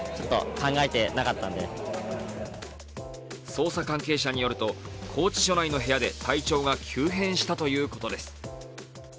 捜査関係者によると拘置所内の部屋で体調が急変したということです。